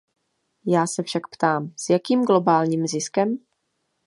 Já se však ptám, s jakým globálním ziskem?